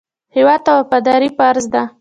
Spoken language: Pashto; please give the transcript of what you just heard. هېواد ته وفاداري فرض ده